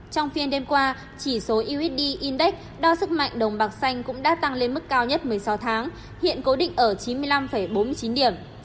trong phiên đêm qua chỉ số usd index đo sức mạnh đồng bạc xanh cũng đã tăng lên mức cao nhất một mươi sáu tháng hiện cố định ở chín mươi năm bốn mươi chín điểm